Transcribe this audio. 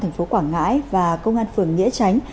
thành phố quảng ngãi và công an phường nghĩa tránh